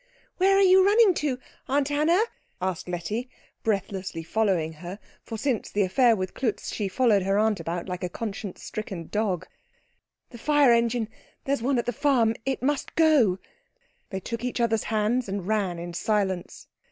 "Where are you running to, Aunt Anna?" asked Letty, breathlessly following her; for since the affair with Klutz she followed her aunt about like a conscience stricken dog. "The fire engine there is one at the farm it must go " They took each other's hands and ran in silence.